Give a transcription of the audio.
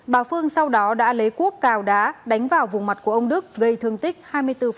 bà phương sau đó đã lấy quốc cào đá đánh vào vùng mặt của ông đức gây thương tích hai mươi bốn